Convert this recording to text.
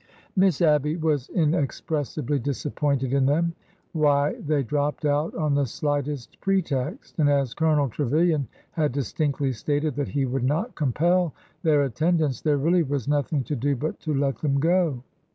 Miss Abby was inexpressibly disappointed in them. Why, they dropped out on the slightest pretext; and as Colonel Trevilian had distinctly stated that he would not compel their attendance, there really was nothing to do but to let them go.